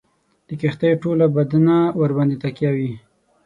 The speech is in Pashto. د کښتۍ ټوله بدنه ورباندي تکیه وي.